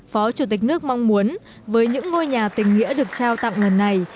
phó chủ tịch nước mong muốn với những ngôi nhà tỉnh nghĩa được trao tặng ngần này